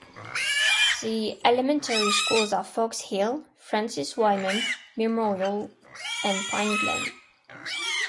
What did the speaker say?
The elementary schools are Fox Hill, Francis Wyman, Memorial, and Pine Glen.